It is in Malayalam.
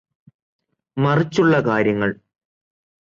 മറിച്ചുള്ള കാര്യങ്ങൾ